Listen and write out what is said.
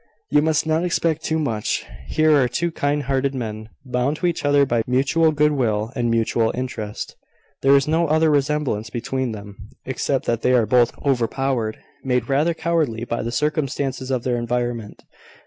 You must not expect too much. Here are two kind hearted men, bound to each other by mutual good will and mutual interest. There is no other resemblance between them, except that they are both overpowered made rather cowardly by the circumstances of their environment.